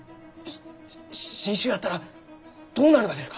し新種やったらどうなるがですか！？